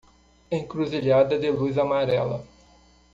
Encruzilhada de luz amarela